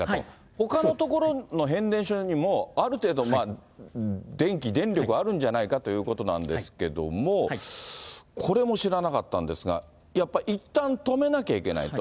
ほかの所の変電所にも、ある程度、電気、電力はあるんじゃないかということなんですけれども、これも知らなかったんですが、やっぱりいったん止めなきゃいけないと。